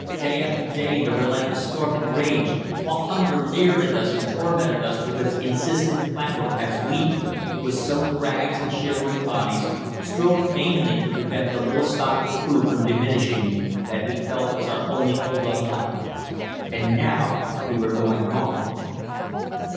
Day after day the relentless storm had raged, while hunger leered at us and tormented us with its insistent clamour as we, with soaked rags and shivering bodies, strove vainly to prevent the little stock of food from diminishing that we felt was our only hold on life. And now we were going home!